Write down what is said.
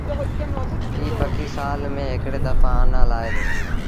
ايٚ پکي سآل ميݩ هڪڙي دڦآ آنآ لآهي دو۔